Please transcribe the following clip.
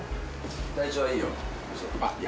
体調はいいよ